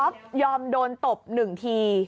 อ๊อฟยอมโดนตบ๑ที